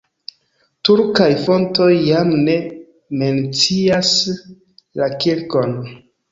Turkaj fontoj jam ne mencias la kirkon.